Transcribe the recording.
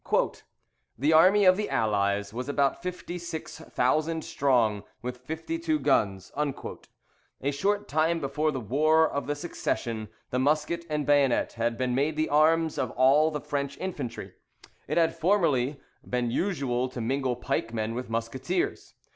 "The army of the Allies was about fifty six thousand strong, with fifty two guns." [A short time before the War of the Succession the musquet and bayonet had been made the arms of all the French infantry. It had formerly been usual to mingle pike men with musqueteers.